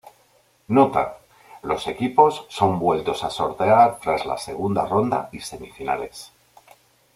Nota: Los equipos son vueltos a sortear tras la segunda ronda y semifinales.